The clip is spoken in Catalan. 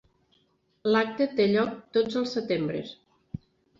L'acte té lloc tots els setembres.